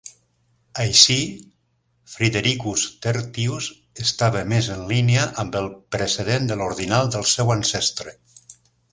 Així, "Fridericus tertius" estava més en línia amb el precedent de l'ordinal del seu ancestre.